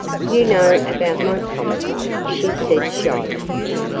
"You know about my promise," she said shyly.